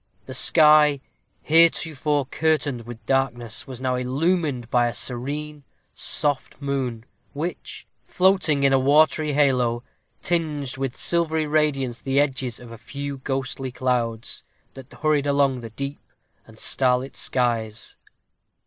The sky, heretofore curtained with darkness, was now illumined by a serene, soft moon, which, floating in a watery halo, tinged with silvery radiance the edges of a few ghostly clouds that hurried along the deep and starlit skies.